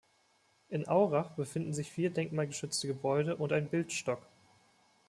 In Aurach befinden sich vier denkmalgeschützte Gebäude und ein Bildstock.